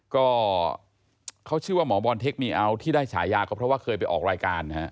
ก็เขาชื่อว่าหมอบอลเทคมีเอาท์ที่ได้ฉายาก็เพราะว่าเคยไปออกรายการนะฮะ